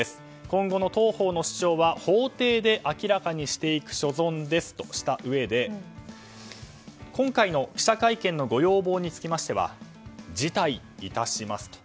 今後の当方の主張は法廷で明らかにしていく所存ですとしたうえで今回の記者会見のご要望につきましては辞退致しますと